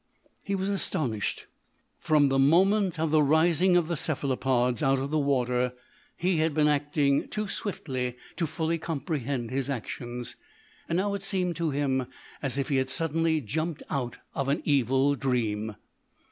He was astonished. From the moment of the rising of the cephalopods out of the water, he had been acting too swiftly to fully comprehend his actions. Now it seemed to him as if he had suddenly jumped out of an evil dream.